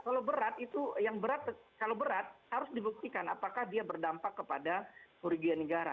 kalau berat itu yang berat kalau berat harus dibuktikan apakah dia berdampak kepada kerugian negara